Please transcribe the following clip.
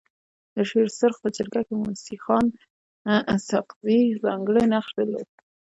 د شيرسرخ په جرګه کي موسي خان اسحق زي ځانګړی نقش درلود.